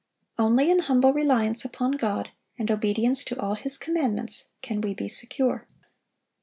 Only in humble reliance upon God, and obedience to all His commandments, can we be secure.